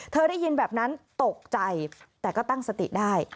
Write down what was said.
ได้ยินแบบนั้นตกใจแต่ก็ตั้งสติได้